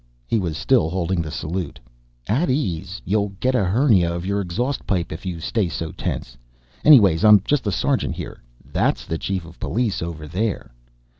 He was still holding the salute. "At ease. You'll get a hernia of your exhaust pipe if you stay so tense. Anyways, I'm just the sergeant here. That's the Chief of Police over there."